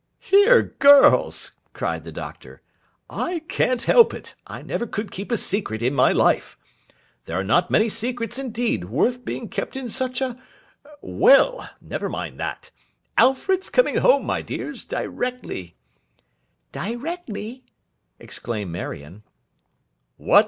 'Here! Girls!' cried the Doctor. 'I can't help it: I never could keep a secret in my life. There are not many secrets, indeed, worth being kept in such a—well! never mind that. Alfred's coming home, my dears, directly.' 'Directly!' exclaimed Marion.